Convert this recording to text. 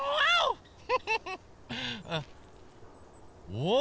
おっ！